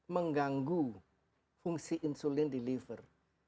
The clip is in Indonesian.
mengganggu fungsi insulin di liver